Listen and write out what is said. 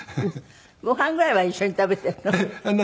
ご飯ぐらいは一緒に食べているの？